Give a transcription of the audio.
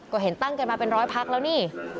ก็เห็นตั้งกันมาเป็นร้อยพักแล้วนี่